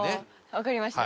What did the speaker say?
わかりました。